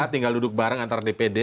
tinggal duduk bareng antara dpd